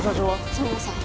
すみません